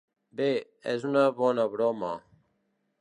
Bé, és una bona broma.